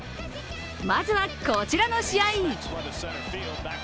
まずは、こちらの試合。